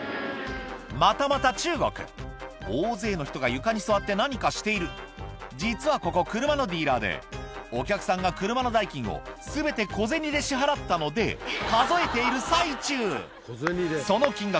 またまた中国大勢の人が床に座って何かしている実はここ車のディーラーでお客さんが車の代金を全て小銭で支払ったので数えている最中その金額